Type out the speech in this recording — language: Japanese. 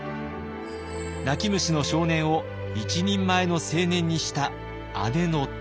泣き虫の少年を一人前の青年にした姉の乙女。